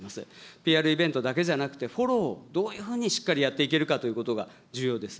ＰＲイベントだけじゃなくて、フォローをどういうふうにしっかりやっていけるかということが重要です。